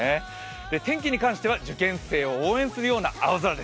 天気に関しては受験生を応援するような青空です。